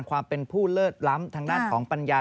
ความเป็นผู้เลิศล้ำทางด้านของปัญญา